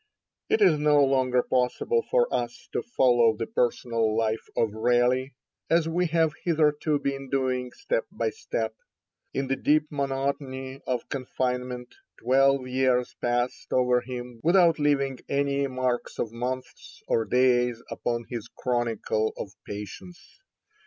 It is no longer possible for us to follow the personal life of Raleigh as we have hitherto been doing, step by step. In the deep monotony of confinement, twelve years passed over him without leaving any marks of months or days upon his chronicle of patience.